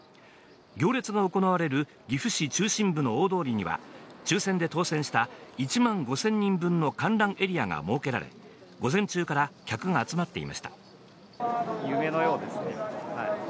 行列が行われる岐阜市中心部の大通りには抽選で当選した１万５０００人分の観覧エリアが設けられ、午前中から客が集まっていました。